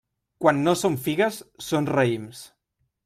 Quan no són figues, són raïms.